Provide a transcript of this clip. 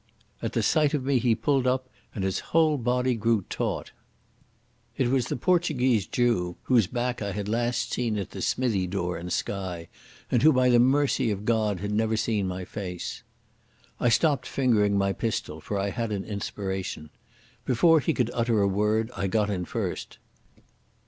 At the sight of me he pulled up and his whole body grew taut. It was the Portuguese Jew, whose back I had last seen at the smithy door in Skye, and who by the mercy of God had never seen my face. I stopped fingering my pistol, for I had an inspiration. Before he could utter a word I got in first.